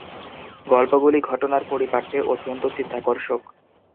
গল্পগুলি ঘটনার পারিপাট্যে অত্যন্ত চিত্তাকর্ষক।